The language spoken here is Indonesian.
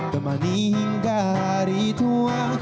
temani hingga hari tua